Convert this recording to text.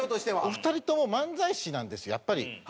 お二人とも漫才師なんですやっぱり。